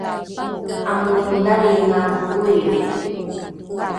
amodhalinga ’oilri